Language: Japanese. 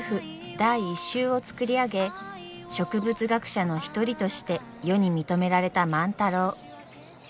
第１集を作り上げ植物学者の一人として世に認められた万太郎。